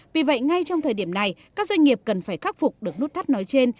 vì vậy ngay trong thời điểm này các doanh nghiệp cần phải khắc phục được nút thắt nói trên